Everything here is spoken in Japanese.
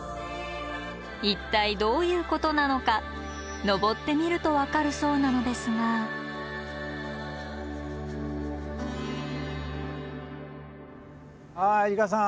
一体どういうことなのか登ってみると分かるそうなのですがあ里香さん。